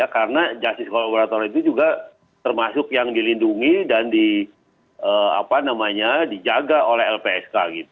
karena justice collaborator itu juga termasuk yang dilindungi dan dijaga oleh lpsk